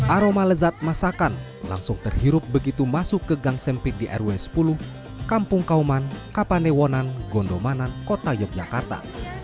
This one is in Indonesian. aroma lezat masakan langsung terhirup begitu masuk ke gang sempit di rw sepuluh kampung kauman kapanewonan gondomanan kota yogyakarta